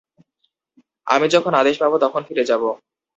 আমি যখন আদেশ পাব, তখন ফিরে যাব।